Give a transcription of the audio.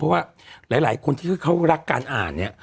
เพราะว่าหลายคนที่เขารักการอ่านเนี่ย